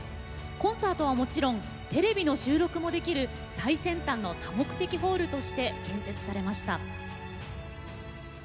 コンサートはもちろんテレビの収録もできる最先端の多目的ホールとして建設されました。